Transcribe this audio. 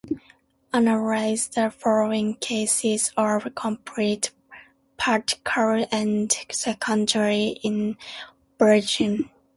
Analyze the following cases of complete, partial and secondary inversion.